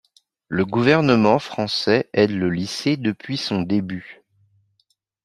Le gouvernement français aide la lycée depuis son début.